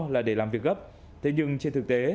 là để làm việc gấp thế nhưng trên thực tế